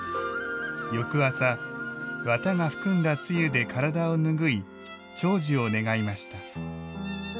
翌朝、綿が含んだ露で体を拭い長寿を願いました。